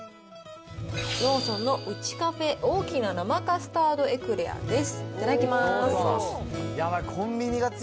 ローソンのウチカフェ、大きな生カスタードエクレアです。